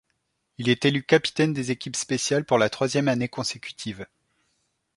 Il est élu capitaine des équipes spéciales pour la troisième année consécutive.